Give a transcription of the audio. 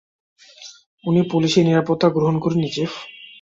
উনি পুলিশি নিরাপত্তা গ্রহণ করেননি, চীফ।